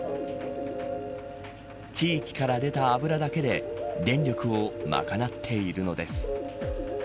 地域から出た油だけで電力を賄っているのです。